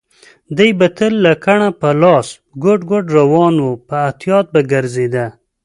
دی به تل لکړه په لاس ګوډ ګوډ روان و، په احتیاط به ګرځېده.